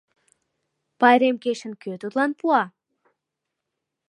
— Пайрем кечын кӧ тудлан пуа?